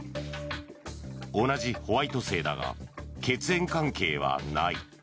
同じホワイト姓だが血縁関係はない。